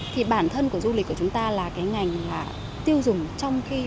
thì bản thân của du lịch của chúng ta là cái ngành mà tiêu dùng trong khi